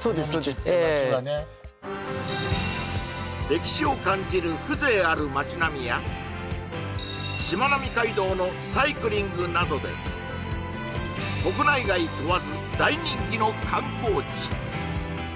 歴史を感じる風情ある街並みやしまなみ海道のサイクリングなどで国内外問わず大人気の観光地